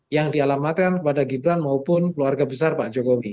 yang dialamatkan kepada gibran maupun keluarga besar pak jokowi